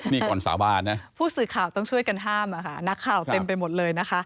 นี่ก่อนสาบานนะผู้สื่อข่าวต้องช่วยกันห้ามอะค่ะนักข่าวเต็มไปหมดเลยนะคะ